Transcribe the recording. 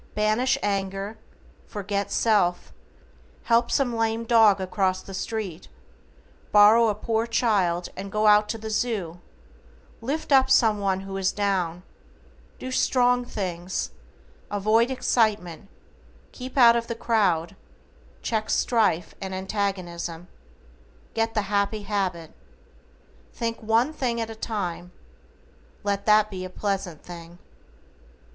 Banish anger, forget self, help some lame dog across the street, borrow a poor child and go out to the zoo, lift up someone who is down, do strong things, avoid excitement, keep out of the crowd, check strife and antagonism, GET THE HAPPY HABIT. Think one thing at a time, let that be a PLEASANT THING.